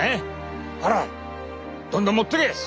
どんどん持ってけ！